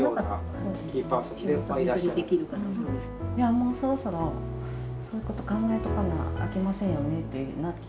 もうそろそろそういうこと考えとかなあきませんよねってなって。